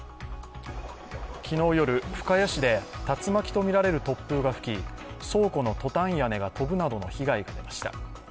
昨日夜、深谷市で竜巻とみられる突風が吹き、倉庫のトタン屋根が飛ぶなどの被害が出ました。